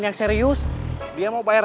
kasih aku sendiri ihan lanjut